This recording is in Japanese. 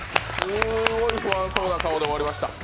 すごい不安そうな顔で終わりました。